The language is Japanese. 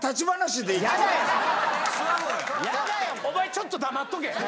お前ちょっと黙っとけ。